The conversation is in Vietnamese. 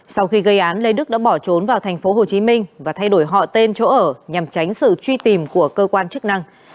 sau khi gây án lê đức đã bỏ trốn vào thành phố hồ chí minh và thay đổi họ tên chỗ ở nhằm tránh sự truy tìm của cơ quan chức năng